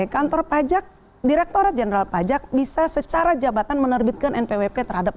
kantor pajak direkturat jenderal pajak bisa secara jabatan menerbitkan npwp terhadap